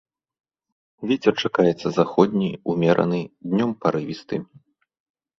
Вецер чакаецца заходні ўмераны, днём парывісты.